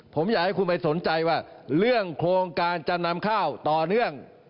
ผมอยากให้คุณไปสนใจว่าเรื่องโครงการจำนำข้าวต่อเนื่อง